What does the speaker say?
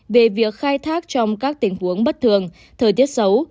về việc khai thác trong các tình huống bất thường thời tiết xấu